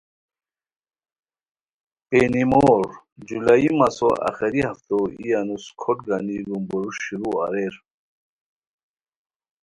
پینی مور (جولائی)مسو آخری ہفتو ای انوس کھوٹ گنی بومبوریݰ شروع اریر